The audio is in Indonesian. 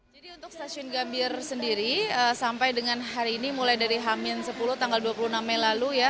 jadi untuk stasiun gambir sendiri sampai dengan hari ini mulai dari hamin sepuluh tanggal dua puluh enam mei lalu ya